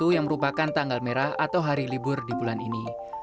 yang merupakan tanggal merah atau hari libur di bulan ini